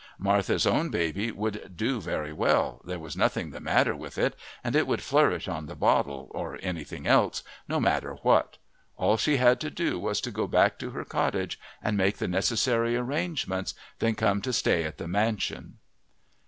Martha's own baby would do very well there was nothing the matter with it, and it would flourish on "the bottle" or anything else, no matter what. All she had to do was to go back to her cottage and make the necessary arrangements, then come to stay at the mansion.